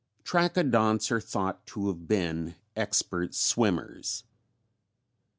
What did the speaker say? Trachodonts are thought to have been expert swimmers.